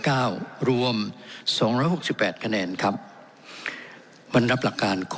รวมสองร้อยหกสิบแปดคะแนนครับมันรับหลักการข้อ